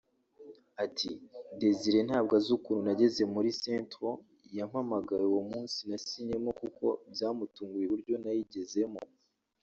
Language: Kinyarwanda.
Ati “Desire ntabwo azi ukuntu nageze muri Saint-Trond yampamagaye uwo munsi nasinyemo kuko byamutunguye uburyo nayigezemo